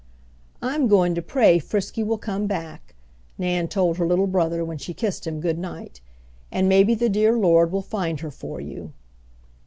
"I'm goin' to pray Frisky will come back," Nan told her little brother when she kissed him good night, "and maybe the dear Lord will find her for you."